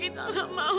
udah diam lah